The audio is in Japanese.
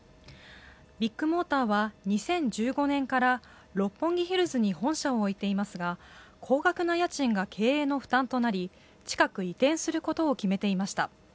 ビッグモーターは２０１５年から六本木ヒルズに本社を置いていますが高額な家賃が経営の負担となり、近く移転することを決めていました。